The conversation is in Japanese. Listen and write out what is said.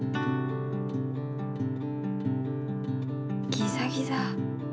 ギザギザ。